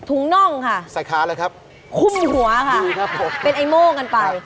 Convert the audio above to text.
ถุงน่องค่ะคุมหัวค่ะเป็นไอโม่กันไปทุกน้องค่ะใส่ค้าเลยครับ